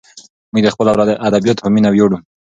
موږ د خپلو ادیبانو په مینه ویاړو.